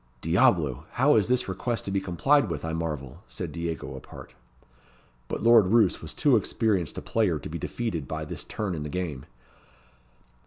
"Diablo! how is this request to be complied with, I marvel?" said Diego apart. But Lord Roos was too experienced a player to be defeated by this turn in the game.